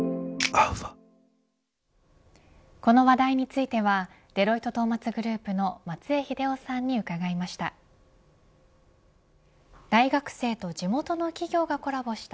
この話題についてはデロイトトーマツグループの松江英夫さんに伺いました。